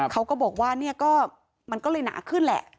เขาก็บอกว่าเนี่ยก็มันก็เลยหนาขึ้นแหละ